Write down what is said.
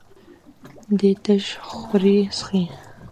دی تش خوري څښي.